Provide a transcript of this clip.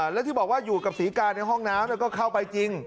แล้วที่บอกว่าอยู่กับศรีกาในห้องน้ำก็เข้าไปจริง